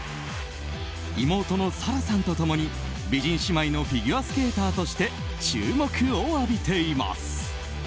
妹の紗来さんとともに美人姉妹のフィギュアスケーターとして注目を浴びています。